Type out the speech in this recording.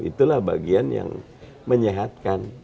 itulah bagian yang menyehatkan